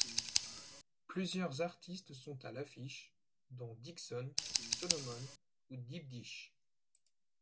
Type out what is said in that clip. Plusieurs artistes sont à l'affiche, dont Dixon, Solomun ou Deep Dish.